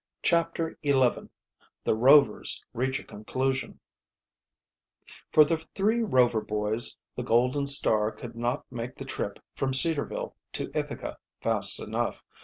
CHAPTER XI THE ROVERS REACH A CONCLUSION For the three Rover boys the Golden Star could not make the trip from Cedarville to Ithaca fast enough.